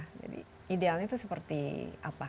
jadi idealnya itu seperti apa